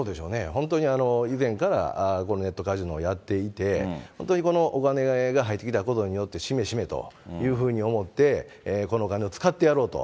本当に以前からこのネットカジノをやっていて、本当にこのお金が入ってきたことによって、しめしめというふうに思って、このお金を使ってやろうと。